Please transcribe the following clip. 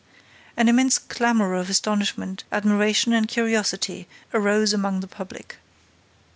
An immense clamor of astonishment, admiration and curiosity arose among the public.